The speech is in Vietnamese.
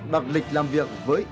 đặc lịch làm việc với